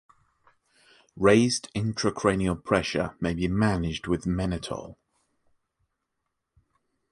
Raised intracranial pressure may be managed with mannitol.